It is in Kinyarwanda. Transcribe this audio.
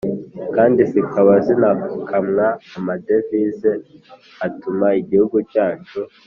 kandi zikaba zinakamwa amadevize atuma igihugu cyacu